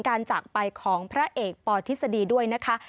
จากไปของพระเอกปธิษฎีด้วยนะคะ